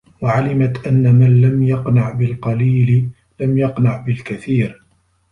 وَعَلِمَتْ أَنَّ مَنْ لَمْ يَقْنَعْ بِالْقَلِيلِ لَمْ يَقْنَعْ بِالْكَثِيرِ